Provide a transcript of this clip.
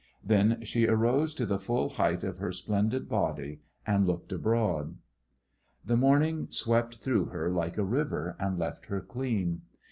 Then she arose to the full height of her splendid body and looked abroad. The morning swept through her like a river and left her clean.